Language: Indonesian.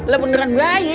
lo beneran bayi